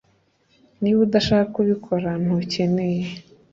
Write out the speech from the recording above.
Niba udashaka kubikora ntukeneye